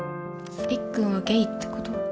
りっくんはゲイってこと？